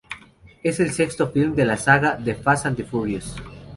Es el sexto film de la saga "The Fast and the Furious".